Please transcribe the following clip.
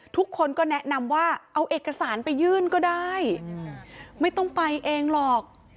ทุกคนก็แนะนำว่าเอาเอกสารไปยื่นก็ได้ไม่ต้องไปเองหรอก